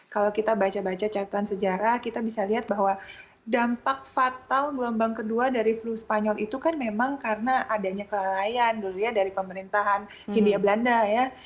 kalau kita baca baca catatan sejarah kita bisa lihat bahwa dampak fatal gelombang kedua dari flu spanyol itu kan memang karena adanya kelalaian dulu ya dari pemerintahan hindia belanda ya